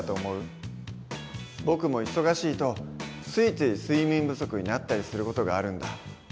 僕も忙しいとついつい睡眠不足になったりする事があるんだ。